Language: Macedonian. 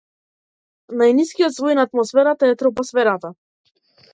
Најнискиот слој на атмосферата е тропосферата.